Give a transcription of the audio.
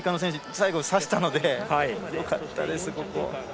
最後、さしたのでよかったです。